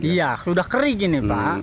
iya sudah kering ini pak